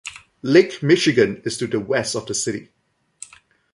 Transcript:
Lake Michigan is to the west of the city.